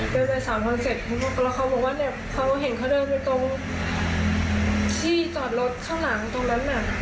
เดินไปสามคนเสร็จแล้วเขาบอกว่าเนี่ยเขาเห็นเขาเดินไปตรงที่จอดรถข้างหลังตรงนั้นน่ะ